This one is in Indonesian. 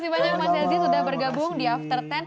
terima kasih banyak mas yazi sudah bergabung di after sepuluh